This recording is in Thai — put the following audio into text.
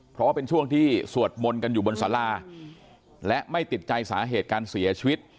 เพราะว่าเป็นช่วงที่สวดมนต์กันอยู่บนสาราและไม่ติดใจสาเหตุการเสียชีวิต